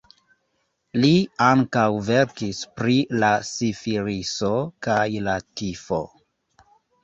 Li ankaŭ verkis pri la sifiliso kaj la tifo.